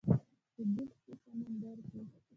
چې ډوب شوی سمندر کې